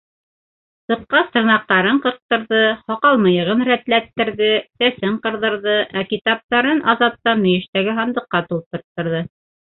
Сыҡҡас, тырнаҡтарын ҡырҡтырҙы, һаҡал-мыйығын рәтләттерҙе, сәсен ҡырҙырҙы, ә китаптарын Азаттан мөйөштәге һандыҡҡа тултырттырҙы.